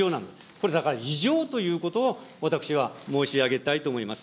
これだから異常ということを、私は申し上げたいと思います。